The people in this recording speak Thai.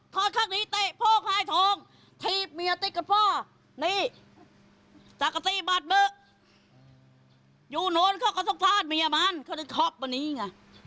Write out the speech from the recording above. ทอนข้างหนีตายโภง๒ทอง